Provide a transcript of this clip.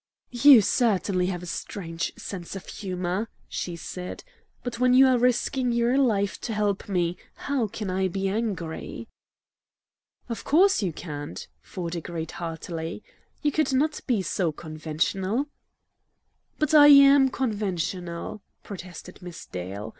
"You certainly have a strange sense of humor," she said, "but when you are risking your life to help me, how can I be angry?" "Of course you can't," Ford agreed heartily; "you could not be so conventional." "But I AM conventional!" protested Miss Dale.